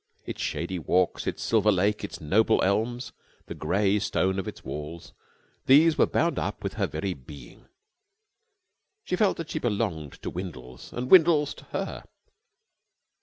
Its shady walks, its silver lake, its noble elms, the old grey stone of its walls these were bound up with her very being. She felt that she belonged to Windles, and Windles to her.